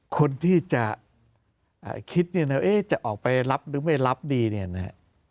คนที่จะคิดเนี่ยนะจะออกไปรับหรือไม่รับดีเนี่ยนะฮะ